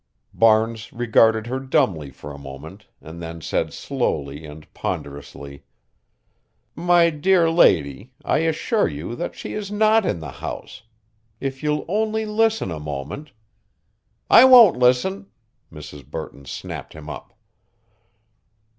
Barnes regarded her dumbly for a moment and then said slowly and ponderously: "My dear lady, I assure you that she is not in the house. If you'll only listen a moment" "I won't listen," Mrs. Burton snapped him up.